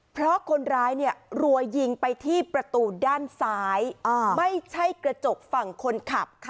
เพราะคนร้ายรัวยิงไปที่ประตูด้านซ้ายไม่ใช่กระจกฝั่งคนขับค่ะ